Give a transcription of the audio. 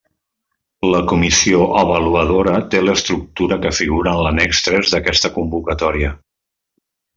La comissió avaluadora té l'estructura que figura en l'annex tres d'aquesta convocatòria.